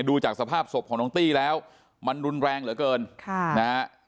ดูจากสภาพศพของน้องตีแล้วมันนุ่นแรงเหลือเกิน